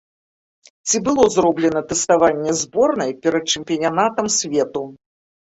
Ці было зроблена тэставанне зборнай перад чэмпіянатам свету?